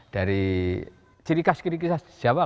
dari ciri khas ciri khas jawa